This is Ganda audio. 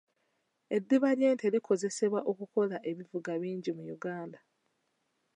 Eddiba ly'ente likozesebwa okukola ebivuga bingi mu Uganda.